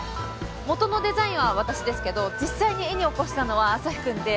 元のデザインは私ですけど実際に絵に起こしたのはアサヒくんで。